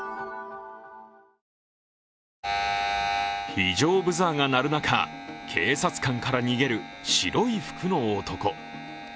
非常ブザーが鳴る中、警察官から逃げる白い服の男。